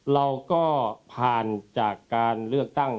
เราก็ผ่านจากการเลือกตั้ง